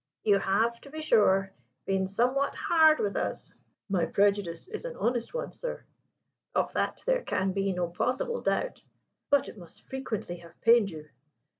"You have, to be sure, been somewhat hard with us." "My prejudice is an honest one, sir." "Of that there can be no possible doubt." "But it must frequently have pained you."